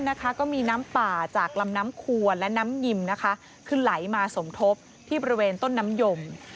ดังนั้นก็มีน้ำป่าจากลำน้ำคววร์และน้ำหยิมขึ้นไหลมาสมทบที่ประเวณต้นน้ำยม